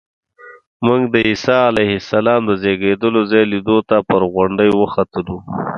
موږ د عیسی علیه السلام د زېږېدلو ځای لیدو ته پر غونډۍ وختلو.